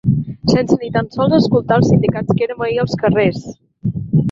Sense ni tan sols escoltar els sindicats que érem ahir als carrers!